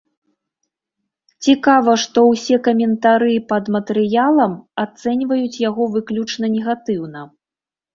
Цікава, што ўсе каментары пад матэрыялам ацэньваюць яго выключна негатыўна.